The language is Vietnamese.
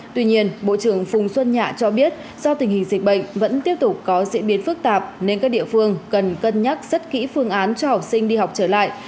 tuy nhiên bộ trưởng phùng xuân nhạ cho biết do tình hình dịch bệnh vẫn tiếp tục có diễn biến phức tạp nên các địa phương cần cân nhắc rất kỹ phương án cho học sinh đi học trở lại